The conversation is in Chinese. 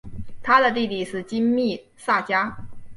他的弟弟是金密萨加。